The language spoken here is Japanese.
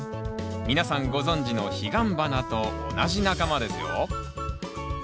皆さんご存じのヒガンバナと同じ仲間ですよ